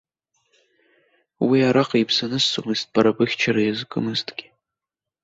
Уи араҟа ибзанысҵомызт бара быхьчара иазкымызҭгьы.